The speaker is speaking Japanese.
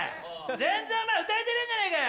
全然お前歌えてねえじゃねぇかよ！